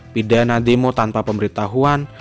pidana demo tanpa pemberitahuan